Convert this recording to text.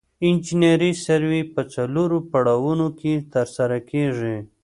انجنیري سروې په څلورو پړاوونو کې ترسره کیږي